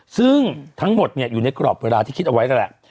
ซึ่งทั้งหมดอยู่ในกรอบเวลาที่คิดเอาไว้นั่นแหละ